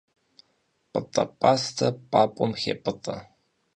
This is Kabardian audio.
Пӏытӏэ пӏастэ пӏапӏум хепӏытӏэ.